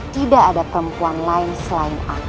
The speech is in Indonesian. tidak ada perempuan lain selain a